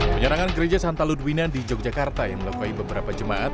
penyerangan gereja santa ludwina di yogyakarta yang melukai beberapa jemaat